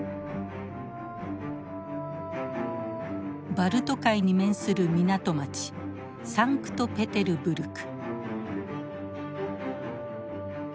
バルト海に面する港町サンクトペテルブルク。